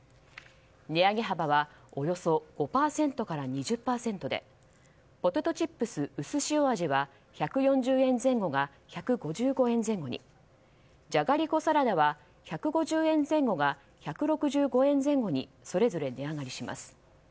値上げ幅はおよそ５％から２０％でポテトチップスうすしお味は１４０円前後が１５５円前後にじゃがりこサラダは１５０円前後が１６５円前後にそれぞれ値上がりします。